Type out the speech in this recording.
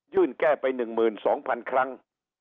ยื่นแก้ไป๑๒๐๐๐ครั้ง